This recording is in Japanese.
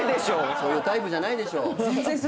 そういうタイプじゃないでしょ。